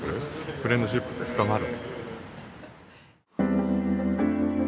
フレンドシップって深まる。